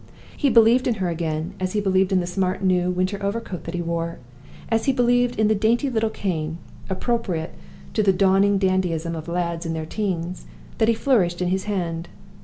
He believed in her again as he believed in the smart new winter overcoat that he wore as he believed in the dainty little cane (appropriate to the dawning dandyism of lads in their teens) that he flourished in his hand.